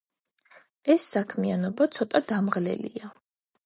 ეს საქმიანობა ცოტა დამღლელია